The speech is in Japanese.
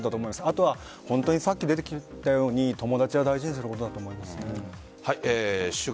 あとはさっき出てきたように友達は大事にすることだと思います。